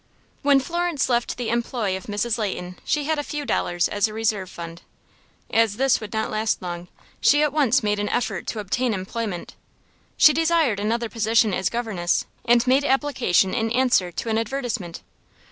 When Florence left the employ of Mrs. Leighton she had a few dollars as a reserve fund. As this would not last long, she at once made an effort to obtain employment. She desired another position as governess, and made application in answer to an advertisement.